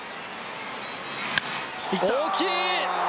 大きい。